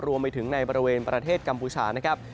รวมไปถึงในบริเวณประเทศกัมพูชานะครับ